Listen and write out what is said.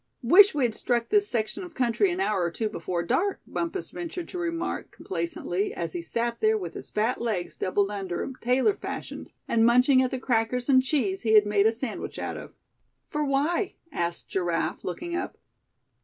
"Wish we'd struck this section of country an hour or two before dark," Bumpus ventured to remark, complacently, as he sat there with his fat legs doubled under him, tailor fashion and munching at the crackers and cheese he had made a sandwich out of. "For why?" asked Giraffe, looking up.